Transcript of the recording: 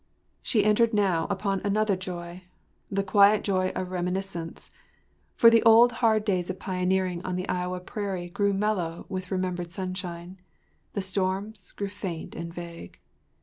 ” She entered now upon another joy—the quiet joy of reminiscence, for the old hard days of pioneering on the Iowa prairie grew mellow with remembered sunshine—the storms grew faint and vague.